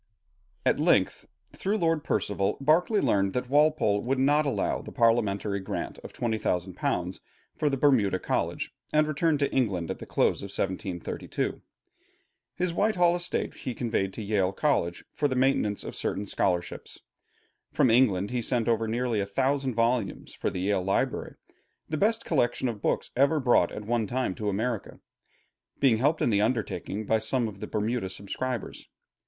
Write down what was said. At length, through Lord Percival, Berkeley learned that Walpole would not allow the parliamentary grant of, £20,000 for the Bermuda College, and returned to England at the close of 1732. His Whitehall estate he conveyed to Yale College for the maintenance of certain scholarships. From England he sent over nearly a thousand volumes for the Yale library, the best collection of books ever brought at one time to America, being helped in the undertaking by some of the Bermuda subscribers.